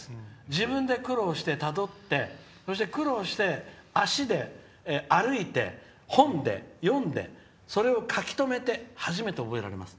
自分で苦労して、たどって苦労して足で歩いて本で読んでそれを書き留めて初めて覚えられます。